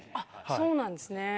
そうなんですね。